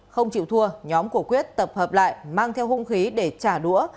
không chịu thua nhóm của quyết tập hợp lại mang theo hung khí để trả đũa